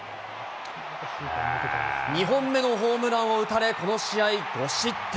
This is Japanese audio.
２本目のホームランを打たれ、この試合、５失点。